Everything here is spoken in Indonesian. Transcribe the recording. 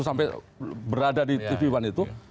sampai berada di tv one itu